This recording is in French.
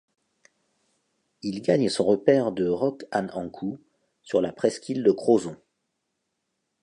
Il gagne son repaire de Roc'h an Ankou sur la presqu'île de Crozon.